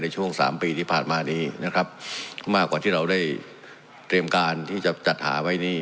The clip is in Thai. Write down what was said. ช่วงสามปีที่ผ่านมานี้นะครับมากกว่าที่เราได้เตรียมการที่จะจัดหาไว้นี่